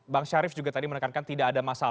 bang syarif juga tadi menekankan tidak ada masalah